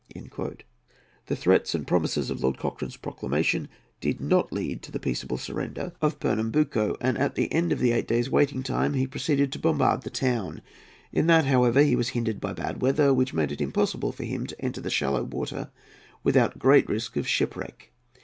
The threats and promises of Lord Cochrane's proclamation did not lead to the peaceable surrender of Pernambuco, and at the end of the eight days' waiting time he proceeded to bombard the town. In that, however, he was hindered by bad weather, which made it impossible for him to enter the shallow water without great risk of shipwreck.